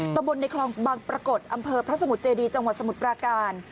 ตำบลในคลองบางปรากฏอำเภอพระสมุทรเจดีจังหวัดสมุทรปราการ